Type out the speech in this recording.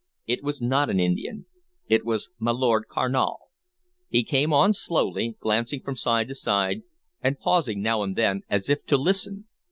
It was not an Indian; it was my Lord Carnal. He came on slowly, glancing from side to side, and pausing now and then as if to listen.